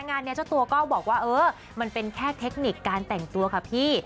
งานนี้เจ้าตัวก็บอกว่าเออมันเป็นแค่เทคนิคการแต่งตัวค่ะพี่